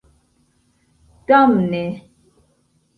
damne